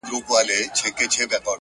پورته کښته سم په زور و زېر باڼه,